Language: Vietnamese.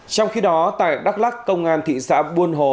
trong khi đó tại đắk lắc công an thị xã buôn hồ